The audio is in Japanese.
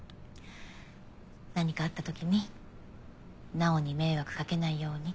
何かあった時に直央に迷惑かけないようにって。